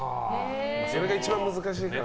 それが一番難しいからね。